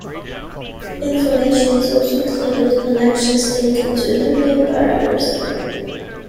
Information is also included on actions taken to eliminate barriers.